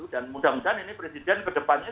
dan mudah mudahan ini presiden kedepannya